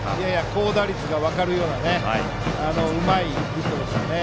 高打率が分かるようなうまいヒットですね。